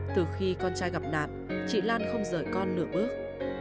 từ khi con trai gặp nạn chị lan không rời con nửa bước